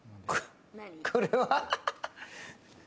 これは。